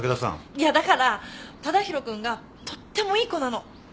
いやだから忠広君がとってもいい子なの。だから。